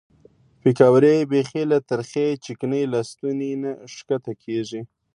پیکورې بیخي له ترخې چکنۍ له ستوني نه ښکته کېږي.